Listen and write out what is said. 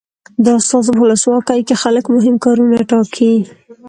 د استازو په ولسواکي کې خلک مهم کارونه ټاکي.